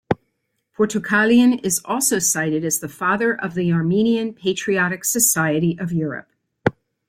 Portukalian is also cited as the father of the Armenian Patriotic Society of Europe.